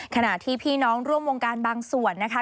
ขณะที่พี่น้องร่วมวงการบางส่วนนะคะ